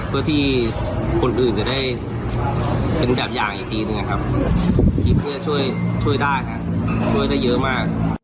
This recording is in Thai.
เพื่อที่คนอื่นจะได้เป็นแบบอย่างอีกทีหนึ่งนะครับเพื่อช่วยได้ครับช่วยได้เยอะมาก